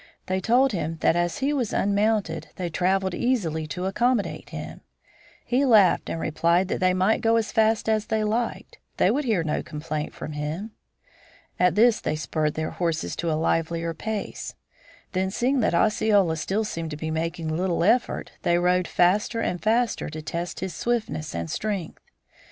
They told him that as he was unmounted they traveled easily to accommodate him. He laughed and replied that they might go as fast as they liked, they would hear no complaint from him. At this they spurred their horses to a livelier pace. Then seeing that Osceola still seemed to be making little effort they rode faster and faster to test his swiftness and strength.